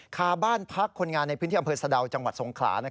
คาบ้านพักคนงานในพื้นที่อำเภอสะดาวจังหวัดสงขลา